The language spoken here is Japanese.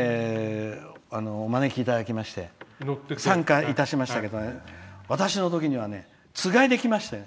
私も一度だけ招きいただきまして参加いたしましたけど私のときにはつがいで来ましたよ。